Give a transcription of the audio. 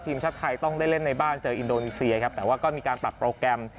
ทีมชาติไทยต้องได้เล่นในบ้านเจออินโดนีเซียครับแต่ว่าก็มีการปรับโปรแกรม